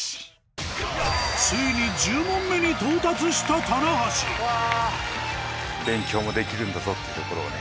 ついに１０問目に到達した棚橋勉強もできるんだぞっていうところをね